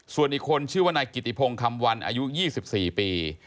ส่วนอีกคนชื่อว่านายกิติพงศ์คำวันอายุ๒๔ปี